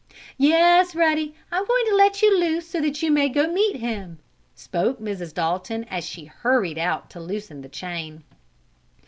"Yes, Ruddy! I'm going to let you loose so you may to go meet him!" spoke Mrs. Dalton, as she hurried out to loosen the chain.